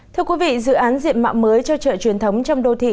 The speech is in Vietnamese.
thưa quý vị dự án diện mạo mới cho chợ truyền thống trong đô thị